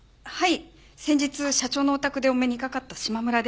先日社長のお宅でお目にかかった島村です。